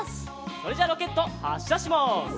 それじゃあロケットはっしゃします。